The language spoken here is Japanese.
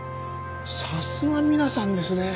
さすが皆さんですね。